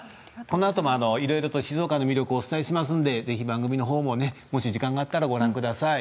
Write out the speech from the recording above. このあとも、いろいろ静岡の魅力をお伝えしますので番組も時間があったらご覧ください。